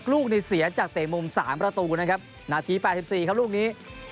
ลูกนี่เสียจากเตะมุม๓ประตูนะครับนาที๘๔ครับลูกนี้